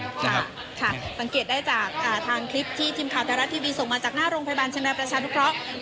ค่ะค่ะสังเกตได้จากทางคลิปที่ทีมข่าวไทยรัฐทีวีส่งมาจากหน้าโรงพยาบาลเชียงรายประชานุเคราะห์